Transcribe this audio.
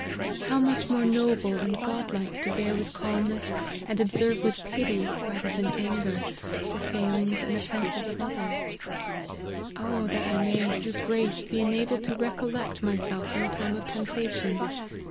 How much more noble and godlike to bear with calmness, and* observe with pity, rather than anger, the failings and offences of others. O that I may, through grace, be enabled to recollect myself in the time of temptation